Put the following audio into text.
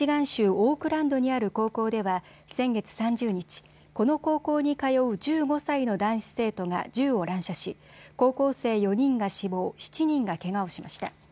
オークランドにある高校では先月３０日、この高校に通う１５歳の男子生徒が銃を乱射し高校生４人が死亡、７人がけがをしました。